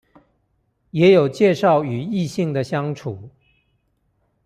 也有介紹與異性的相處